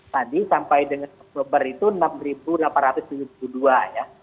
tadi sampai dengan sepuluh belas itu rp enam delapan ratus tujuh puluh dua ya